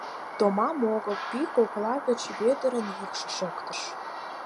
— Томам огыл, — пӱй кокла гыч Вӧдырын йӱкшӧ шоктыш.